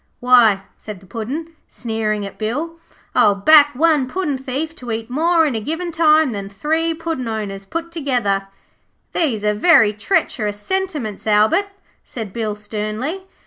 Why,' said the Puddin', sneering at Bill, 'I'll back one puddin' thief to eat more in a given time than three Puddin' owners put together.' 'These are very treacherous sentiments, Albert,' said Bill sternly.